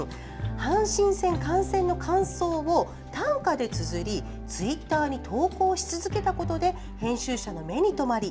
阪神戦観戦の感想を短歌でつづりツイッターに投稿し続けたことで編集者の目に留まり